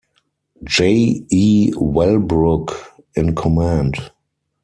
J. E. Wellbrook in command.